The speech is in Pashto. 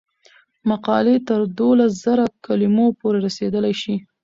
مقالې تر دولس زره کلمو پورې رسیدلی شي.